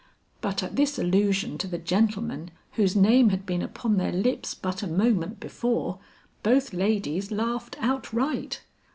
But at this allusion to the gentleman whose name had been upon their lips but a moment before, both ladies laughed outright.